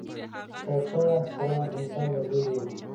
کتابچه سره انسان بدلېږي